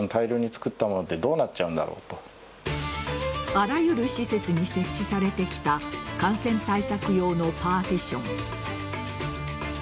あらゆる施設に設置されてきた感染対策用のパーティション。